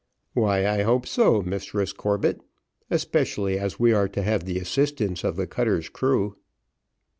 "Why, I hope so, Mistress Corbett, especially as we are to have the assistance of the cutter's crew."